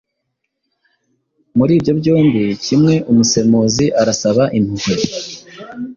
Muri ibyo byombi kimwe umusemuzi arasaba impuhwe